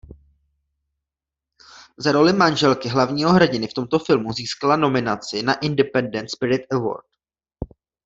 Za roli manželky hlavního hrdiny v tomto filmu získala nominaci na Independent Spirit Award.